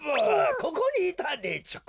ここにいたんでちゅか？